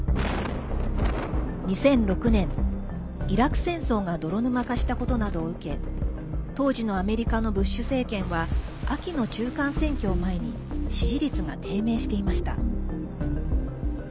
２００６年、イラク戦争が泥沼化したことなどを受け当時のアメリカのブッシュ政権は秋の中間選挙を前に支持率が低迷していました。